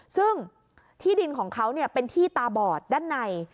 ซึ่งที่ดินของเขาเป็นที่ตาบอดด้านใน